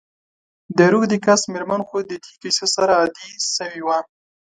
د روږدې کس میرمن خو د دي کیسو سره عادي سوي وه.